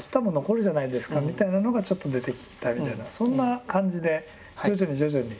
みたいなのがちょっと出てきたみたいなそんな感じで徐々に徐々に。